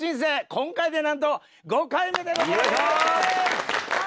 今回でなんと５回目でございます！